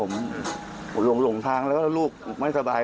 ผมหลงทางแล้วก็ลูกไม่สบาย